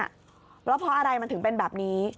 แล้วเพราะอะไรมันถึงเป็นแบบนี้